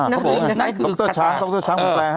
ครับผมดรช้างดรช้างผมแปลให้ครับผมดรช้างครับผม